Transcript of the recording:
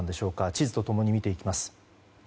地図と共に見ていきます。